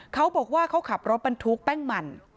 เขาบอกว่าเขาขับรถบรรทุกแป้งมัน